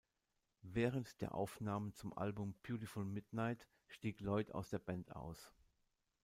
Während der Aufnahmen zum Album "Beautiful Midnight" stieg Lloyd aus der Band aus.